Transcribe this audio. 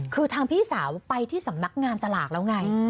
คือทางพี่สาวไปที่สำนักงานสลากแล้วไง